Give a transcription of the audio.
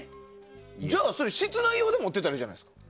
じゃあ、室内用で持ってたらいいじゃないですか。